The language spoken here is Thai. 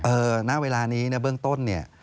เออณเวลานี้เนี่ยเบื้องต้นเนี่ย